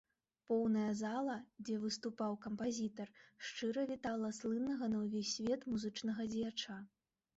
Поўная зала, дзе выступаў кампазітар, шчыра вітала слыннага на ўвесь свет музычнага дзеяча.